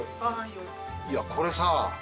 いやこれさ